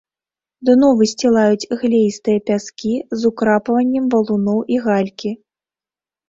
Дно высцілаюць глеістыя пяскі з украпваннем валуноў і галькі.